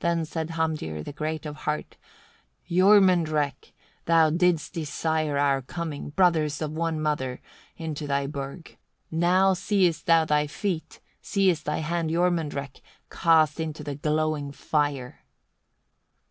25. Then said Hamdir, the great of heart: "Jormunrek! thou didst desire our coming, brothers of one mother, into thy burgh: now seest thou thy feet, seest thy hands Jormunrek! cast into the glowing fire."